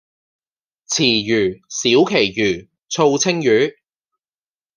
池魚，小鰭魚，醋鯖魚